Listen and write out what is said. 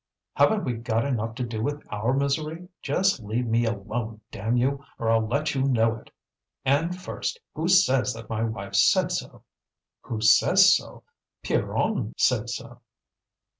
Haven't we got enough to do with our misery? Just leave me alone, damn you! or I'll let you know it! And first, who says that my wife said so?" "Who says so? Pierronne said so."